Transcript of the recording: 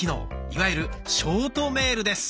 いわゆるショートメールです。